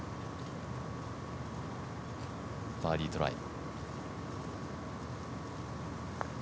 バーディートライ。